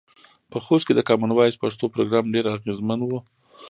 په خوست کې د کامن وایس پښتو پروګرام ډیر اغیزمن و.